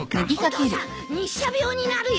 お父さん日射病になるよ。